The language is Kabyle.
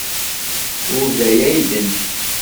Ur d aya ay d-nniɣ.